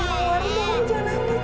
jangan sama kau takut